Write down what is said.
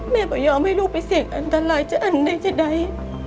ไม่ยอมให้ลูกไปเสี่ยงอันตรายจะอันใดจะใด